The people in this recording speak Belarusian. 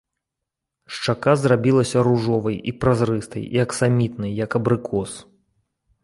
Шчака зрабілася ружовай, і празрыстай, і аксамітнай, як абрыкос.